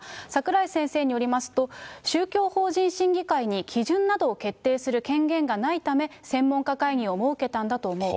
櫻井先生によりますと、宗教法人審議会に基準などを決定する権限がないため、専門家会議を設けたんだと思う。